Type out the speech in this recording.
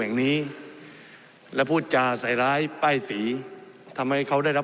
แห่งนี้และพูดจาใส่ร้ายป้ายสีทำให้เขาได้รับ